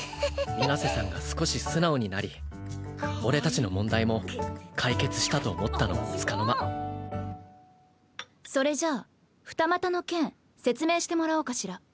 水瀬さんが少し素直になり俺たちの問題も解決したと思ったのもつかの間それじゃあ二股の件説明してもらおうかしら。